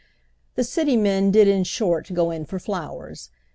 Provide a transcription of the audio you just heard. The City men did, in short, go in for flowers.